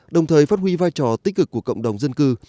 đồng thời phát huy vai trò tích cực của cộng đồng dân cư